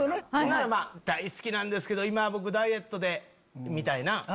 大好きなんですけど今ダイエットでみたいな。